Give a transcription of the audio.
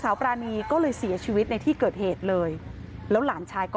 ปรานีก็เลยเสียชีวิตในที่เกิดเหตุเลยแล้วหลานชายก็